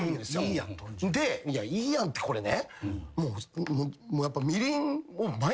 いいやんってこれね。